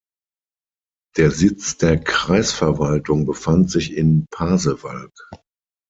Der Sitz der Kreisverwaltung befand sich in Pasewalk.